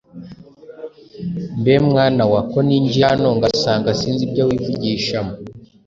Mbe mwana wa, ko ninjiye hano ngasanga sinzi ibyo wivugishamo